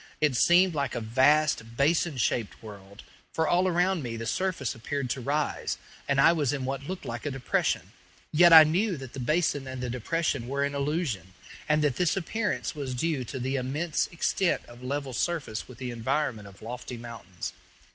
It seemed like a vast basin shaped world, for all around me the surface appeared to rise, and I was in what looked like a depression; yet I knew that the basin and the depression were an illusion, and that this appearance was due to the immense extent of level surface with the environment of lofty mountains.